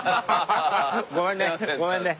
ごめんねごめんね。